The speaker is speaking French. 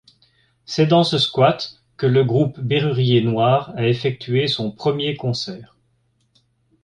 C’est dans ce squat que le groupe Bérurier Noir a effectué son premier concert.